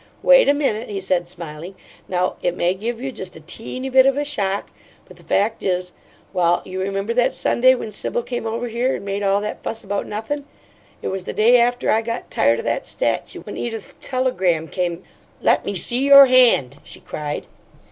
"Wait a minute," he said, smiling. "Now it may give you just a teeny bit of a shock, but the fact is well, you remember that Sunday when Sibyl came over here and made all that fuss about nothin' it was the day after I got tired o' that statue when Edith's telegram came " "Let me see your hand!" she cried.